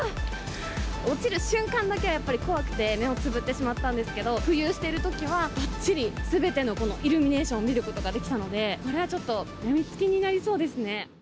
落ちる瞬間だけはやっぱり怖くて、目をつぶってしまったんですけれども、浮遊してるときは、ばっちり、すべてのこのイルミネーションを見ることができたので、これはちょっと、病みつきになりそうですね。